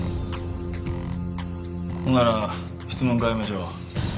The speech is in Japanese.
ほんなら質問変えましょう。